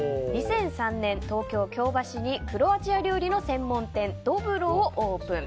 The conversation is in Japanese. ２００３年、東京・京橋にクロアチア料理の専門店ドブロをオープン。